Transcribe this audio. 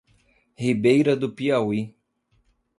Ribeira do Piauí